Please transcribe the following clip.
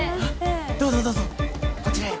どうぞどうぞこちらへ。